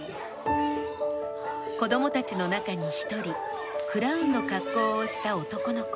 子どもたちの中に１人クラウンの格好をした男の子。